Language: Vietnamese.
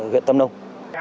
huyện tâm nông